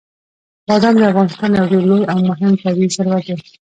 بادام د افغانستان یو ډېر لوی او مهم طبعي ثروت دی.